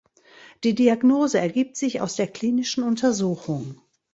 Die Diagnose ergibt sich aus der klinischen Untersuchung.